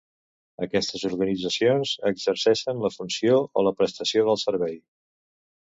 Aquestes organitzacions exerceixen la funció o la prestació del servei.